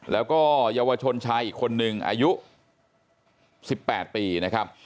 แล้วก็เยาวชนชายอีกคนนึงอายุ๑๘ปีนะครับ